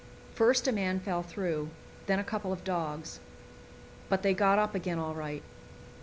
First a man fell through, then a couple of dogs; but they got up again all right.